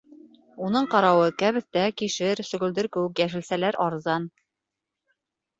Уның ҡарауы, кәбеҫтә, кишер, сөгөлдөр кеүек йәшелсәләр арзан.